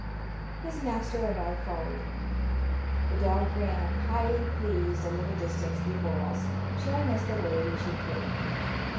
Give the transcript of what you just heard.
"His master and I followed him. The dog ran, highly pleased, a little distance before us, showing us the way we should take.